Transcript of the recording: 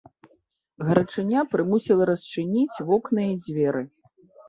Гарачыня прымусіла расчыніць вокны і дзверы.